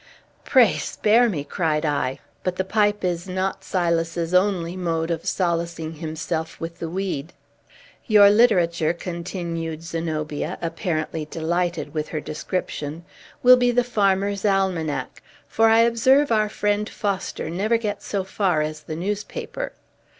"Pray, spare me!" cried I. "But the pipe is not Silas's only mode of solacing himself with the weed." "Your literature," continued Zenobia, apparently delighted with her description, "will be the 'Farmer's Almanac;' for I observe our friend Foster never gets so far as the newspaper.